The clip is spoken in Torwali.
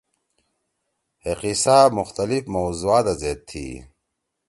ہے قصہ مختلف موضوعات دا زید تھی۔